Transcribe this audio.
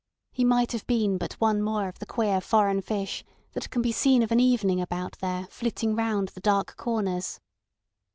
He might have been but one more of the queer foreign fish that can be seen of an evening about there flitting round the dark corners.